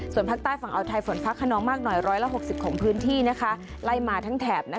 ส่วนภาคใต้ฝั่งอาวไทยฝนฟ้าขนองมากหน่อย๑๖๐ของพื้นที่ไล่มาทั้งแถบ